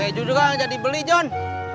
saya juga nggak jadi beli john